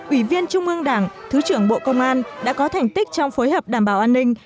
ủy viên trung ương đảng thứ trưởng bộ công an đã có thành tích trong phối hợp đảm bảo an ninh